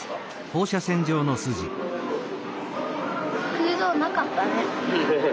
空洞なかったね。